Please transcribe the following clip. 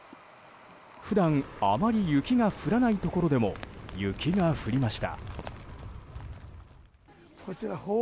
普段、あまり雪が降らないところでも雪が降りました。